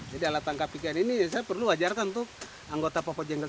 jadi alat tangkap ikan ini saya perlu ajarkan untuk anggota popo jengkel